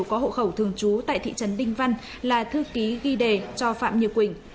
chân đinh văn là thư ký ghi đề cho phạm như quỳnh